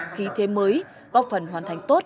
khi thế mới góp phần hoàn thành tốt